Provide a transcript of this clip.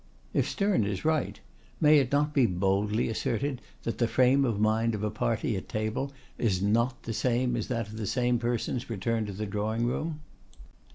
If Sterne is right, may it not be boldly asserted that the frame of mind of a party at table is not the same as that of the same persons returned to the drawing room?